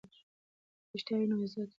که رښتیا وي نو عزت وي.